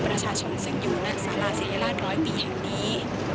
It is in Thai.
ประชาชนศึกอยู่ในลักษณะศิริราชร้อยปีแห่งดี